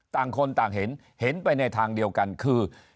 ต่างคนต่างเห็นเห็นไปในทางเดียวกันคือ